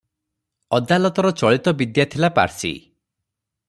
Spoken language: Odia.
ଅଦାଲତର ଚଳିତ ବିଦ୍ୟା ଥିଲା ପାର୍ସି ।